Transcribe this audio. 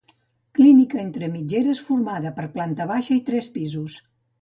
Clínica entre mitgeres formada per planta baixa i tres pisos.